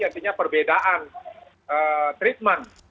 artinya perbedaan treatment